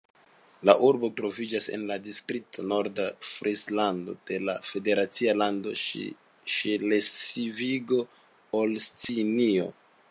La urbo troviĝas en la distrikto Norda Frislando de la federacia lando Ŝlesvigo-Holstinio.